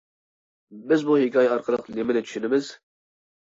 بىز بۇ ھېكايە ئارقىلىق نېمىنى چۈشىنىمىز؟ !